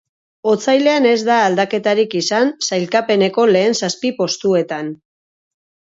Otsailean ez da aldaketarik izan sailkapeneko lehen zazpi postuetan.